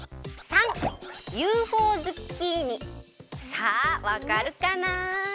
さあわかるかな？